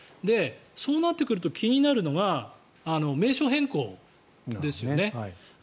そうなってくると気になるのが名称変更ですよね。